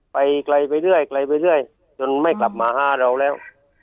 ไปไกลไปเรื่อยไกลไปเรื่อยจนไม่กลับมาหาเราแล้ว